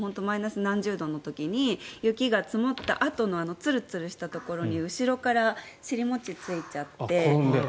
何十度の時に雪が積もったあとのツルツルしたところの後ろから尻餅をついちゃって。